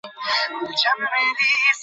ইস্পাতশিল্পে কাজ করে যারা, জানেন হয়ত।